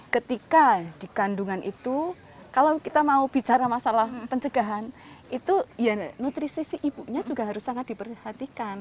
ketika di kandungan itu kalau kita mau bicara masalah pencegahan itu ya nutrisi si ibunya juga harus sangat diperhatikan